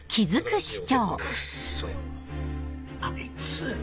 クッソあいつ！